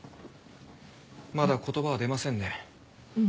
まだ言葉は出ませんね。